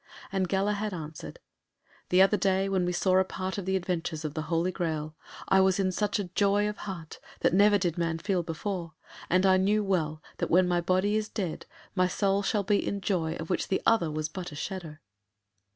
And Galahad answered, "The other day when we saw a part of the adventures of the Holy Graal, I was in such a joy of heart that never did man feel before, and I knew well that when my body is dead my soul shall be in joy of which the other was but a shadow."